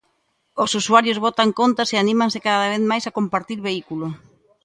Os usuarios botan contas e anímanse cada vez máis a compartir vehículo.